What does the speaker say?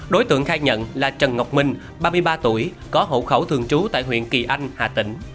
đối tượng khai nhận là trần ngọc minh ba mươi ba tuổi có hậu khẩu thường trú tại huyện kỳ anh hà tĩnh